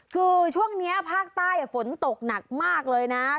คือช่วงนี้ภาคใต้ฝนตกหนักมากเลยนะ